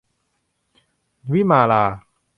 วิมาลา